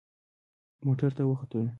موټر ته وختلو.